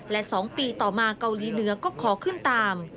และ๒ปีต่อมาเกาหลีเหนือก็ขอขึ้นตาม